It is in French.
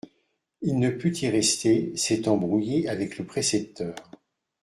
Il ne put y rester, s'étant brouillé avec le précepteur.